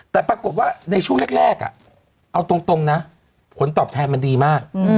แต่ปรากฏว่าในช่วงแรกเอาตรงนะผลตอบแทนมันดีมาก